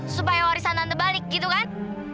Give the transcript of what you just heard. supaya warisan anda balik gitu kan